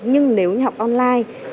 nhưng nếu như học online